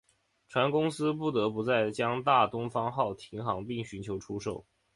船公司不得不在将大东方号停航并寻求出售。